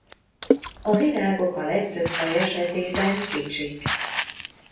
A virágok a legtöbb faj esetében kicsik.